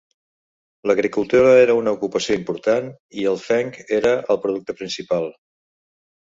L'agricultura era una ocupació important, i el fenc era el producte principal.